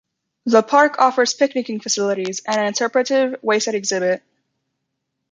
The park offers picnicking facilities and an interpretive wayside exhibit.